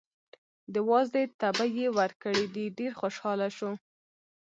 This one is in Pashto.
د وازدې تبی یې ورکړی دی، ډېر خوشحاله شو.